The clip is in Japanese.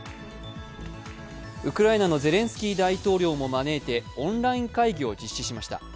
ウクライナのゼレンスキー大統領も招いてオンライン会議を実施しました。